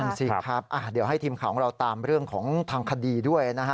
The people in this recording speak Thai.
สิครับเดี๋ยวให้ทีมข่าวของเราตามเรื่องของทางคดีด้วยนะฮะ